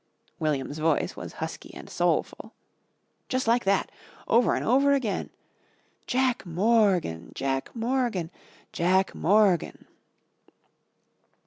'" William's voice was husky and soulful. "Jus' like that over an' over again. 'Jack Morgan, Jack Morgan, Jack Morgan.'"